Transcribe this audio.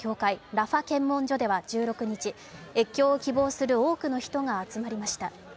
ラファ検問所では１６日、１６日、越境を希望する多くの人が集まりました。